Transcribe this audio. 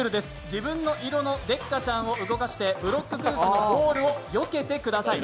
自分の色のデッカチャンを動かして、ブロック崩しのボールをよけてください。